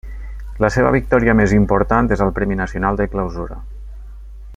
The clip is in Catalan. La seva victòria més important és al Premi Nacional de Clausura.